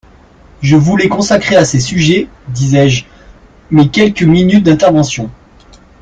Je voulais consacrer à ces sujets, disais-je, mes quelques minutes d’intervention.